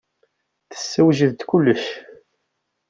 Tessewjed-d kullec.